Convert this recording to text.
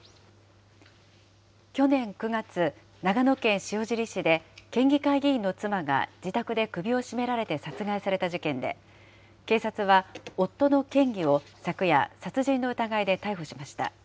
去年９月、長野県塩尻市で県議会議員の妻が自宅で首を絞められて殺害された事件で、警察は夫の県議を昨夜、殺人の疑いで逮捕しました。